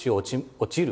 「落ちる？」